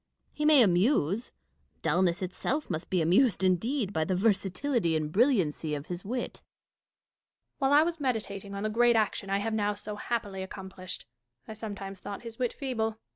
He may amuse : dulness itself must be amused, indeed, by the versatility and brilliancy of his wit. Catharine. While I was meditating on the great action I have now so happily accomplished, I sometimes thought his wit feeble.